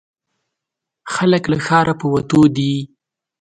خلک له ښاره په وتو دي.